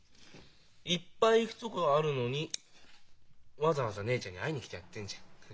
いっぱい行くとこあるのにわざわざ姉ちゃんに会いに来てやってんじゃん。